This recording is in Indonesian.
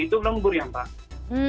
itu lembur ya pak